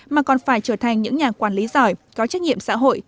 mà còn phải trở thành những nhà quản lý giỏi có trách nhiệm xã hội